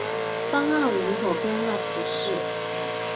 邦奥人口变化图示